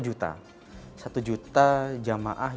satu juta jamaah yang sudah kita manage